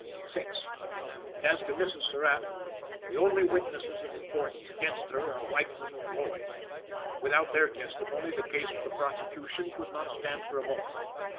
VI. And as to Mrs. Surratt, the only witnesses of importance against her are Weichman and Lloyd. Without their testimony the case for the prosecution could not stand for a moment.